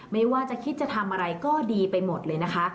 ไม่ว่าจะคิดจะทำอะไรก็ดีไปหมดเลยนะคะ